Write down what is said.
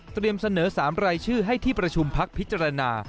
เสนอ๓รายชื่อให้ที่ประชุมพักพิจารณา